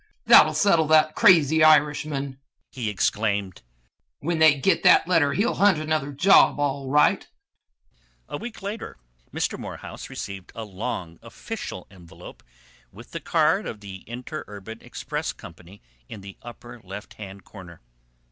"That will settle that crazy Irishman!" he exclaimed. "When they get that letter he will hunt another job, all right!" A week later Mr. Morehouse received a long official envelope with the card of the Interurban Express Company in the upper left corner.